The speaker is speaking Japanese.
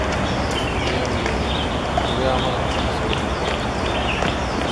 礼を言うおれはまだまだ強くなれる